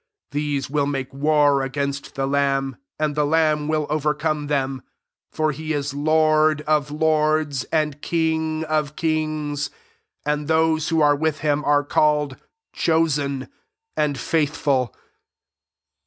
14 These will make war against the lamb, and the lamb will overcome them : for he is Lord of lords, and King of kings ; and those who are with him ar^ called, chosen, and faithful.